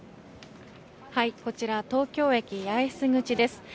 こちら東京駅八重洲口です。